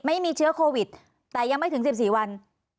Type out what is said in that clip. ไม่มีเชื้อโควิดแต่ยังไม่ถึง๑๔วัน